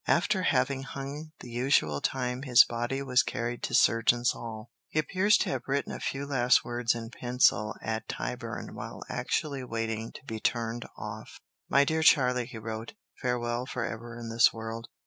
After having hung the usual time his body was carried to Surgeon's Hall. He appears to have written a few last words in pencil at Tyburn while actually waiting to be turned off. "My dear Charlie," he wrote, "farewell for ever in this world.